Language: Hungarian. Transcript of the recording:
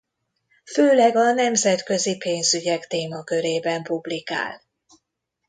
Főleg a nemzetközi pénzügyek témakörében publikál.